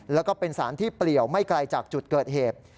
แล้วก็เป็นสารที่เปลี่ยวไม่ไกลจากจุดเกิดเหตุ